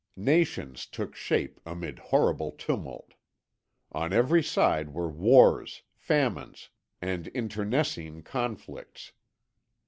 "Nations took shape amid horrible tumult. On every side were wars, famines, and internecine conflicts.